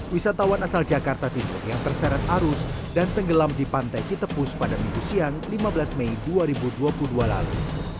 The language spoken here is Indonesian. wisatawan asal jakarta timur yang terseret arus dan tenggelam di pantai citepus pada minggu siang lima belas mei dua ribu dua puluh dua lalu